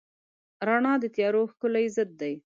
رڼا د تیارو ښکلی ضد دی.